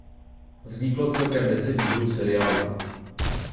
Vzniklo celkem deset dílů seriálu.